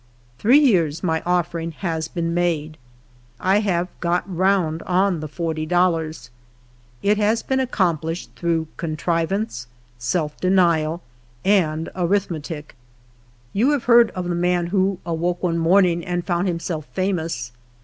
Three years my "offering'' has been made. T have " ijot round " on the forty dollars. It has been accomplished through contrivance, self denial, and arithmetic. Von have heard of the man who " awoke one morning and found himself famous.''